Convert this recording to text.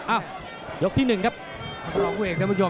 อ้าวยกที่หนึ่งครับขอร้องผู้หญิงท่านผู้ชม